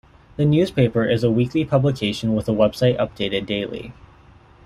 The newspaper is a weekly publication with a website updated daily.